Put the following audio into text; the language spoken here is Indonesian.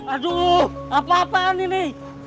aduh apa apaan ini